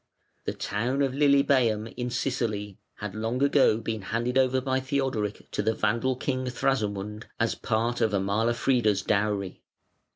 The town of Lilybæum, in Sicily had long ago been handed over by Theodoric to the Vandal king Thrasamund as part of Amalafrida's dowry.